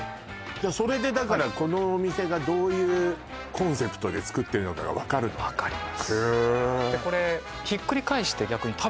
それでこのお店がどういうコンセプトで作ってるのかが分かるのねへ分かります